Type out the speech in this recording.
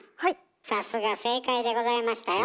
さすが正解でございましたよ。